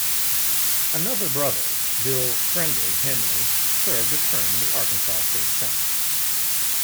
Another brother, Bill "Friendly" Henley, served a term in the Arkansas State Senate.